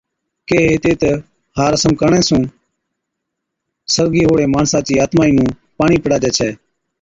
ڪيھي ھِتي تہ ھا رسم ڪرڻي سُون سرگِي ھئُوڙي ماڻسا چِي آتمائِي نُون پاڻِي پِڙاجَي ڇَي